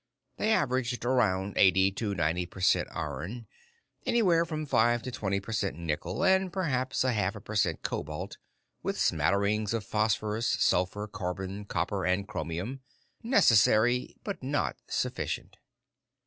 They averaged around eighty to ninety per cent iron, anywhere from five to twenty per cent nickel, and perhaps half a per cent cobalt, with smatterings of phosphorous, sulfur, carbon, copper, and chromium. Necessary but not sufficient.